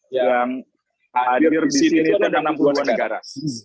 yang hadir di sini itu ada enam puluh dua negara